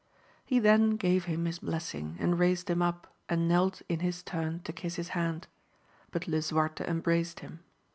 He then gave him his blessing, and raised him up, and knelt in his turn to kiss his hand ; but Lisuarte embraced him.